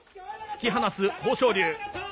突き放す、豊昇龍。